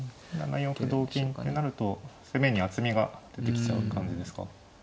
７四歩同金ってなると攻めに厚みが出てきちゃう感じですか。